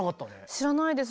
知らないです。